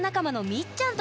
みっちゃん。